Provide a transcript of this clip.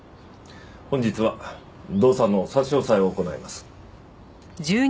本日は動産の差し押さえを行います。